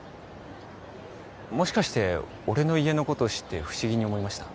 もしかして俺の家のことを知って不思議に思いました？